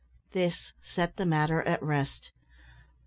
This set the matter at rest.